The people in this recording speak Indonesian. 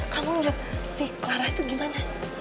kamu liat si kelara itu gimana